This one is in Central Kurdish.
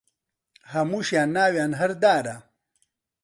هەمووشیان ناویان هەر دارە